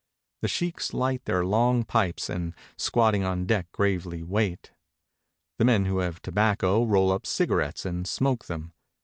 The sheikhs light their long pipes, and squatting on deck gravely wait. The men who have tobacco roll up cigarettes and smoke them.